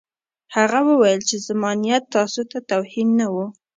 هغه وویل چې زما نیت تاسو ته توهین نه و